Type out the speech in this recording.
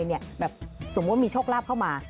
สมมุติว่ามีโชคลาภเข้ามา